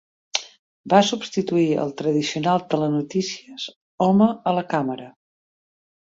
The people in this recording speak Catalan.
Va substituir el tradicional telenotícies "home a la càmera".